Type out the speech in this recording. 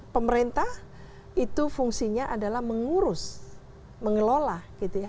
pemerintah itu fungsinya adalah mengurus mengelola gitu ya